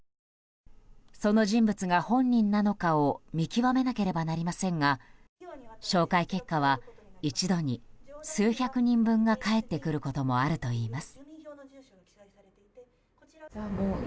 その人物が本人なのかを見極めなければなりませんが照会結果は一度に数百人分が返ってくることもあるといいます。